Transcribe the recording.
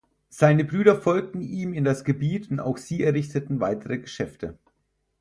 Seine Brüder folgten ihm in das Gebiet und auch sie errichteten weitere Geschäfte.